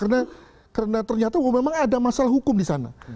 ya karena ternyata memang ada masalah hukum disana